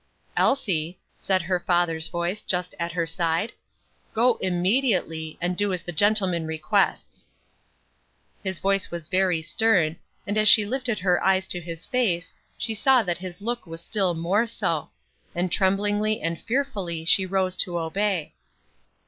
"Elsie," said her father's voice just at her side, "go immediately, and do as the gentleman requests." His tone was very stern, and as she lifted her eyes to his face, she saw that his look was still more so; and tremblingly and tearfully she rose to obey.